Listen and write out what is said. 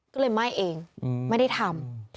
ก็เลยไหม้เองไม่ได้ทำ